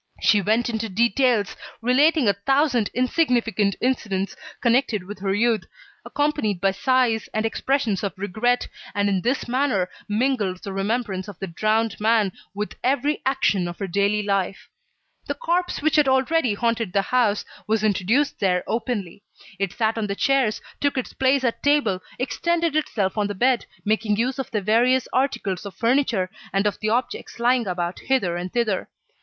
She went into details, relating a thousand insignificant incidents connected with her youth, accompanied by sighs and expressions of regret, and in this manner, mingled the remembrance of the drowned man with every action of her daily life. The corpse which already haunted the house, was introduced there openly. It sat on the chairs, took its place at table, extended itself on the bed, making use of the various articles of furniture, and of the objects lying about hither and thither.